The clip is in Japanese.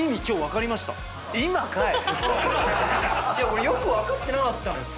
俺よく分かってなかった。